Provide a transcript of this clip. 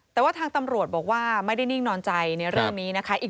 แต่ว่าทางตำรวจบอกว่าไม่ได้นิ่งนอนใจในเรื่องนี้นะคะ